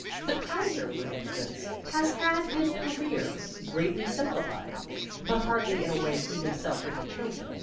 The Kaiser, for instance, has had his career greatly simplified, but hardly in a way he himself would have chosen.